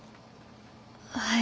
はい。